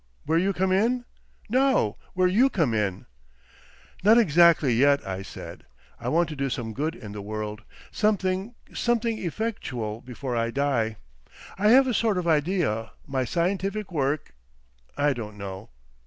"Where you come in?" "No, where _you _come in." "Not exactly, yet," I said. "I want to do some good in the world—something—something effectual, before I die. I have a sort of idea my scientific work—I don't know."